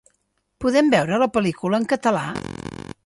Podem veure la pel·lícula en català?